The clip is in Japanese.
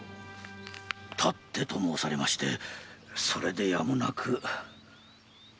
たってと申されましてそれでやむなく。